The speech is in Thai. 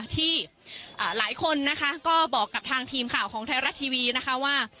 ที่หลายคนนะคะก็บอกกับทางทีมข่าวของไทยรัฐทีวีนะคะว่า